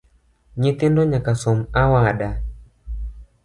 Nyithindo nyaka som awada